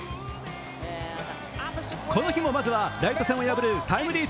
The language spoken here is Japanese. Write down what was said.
この日も、まずはライト線を破るタイムリー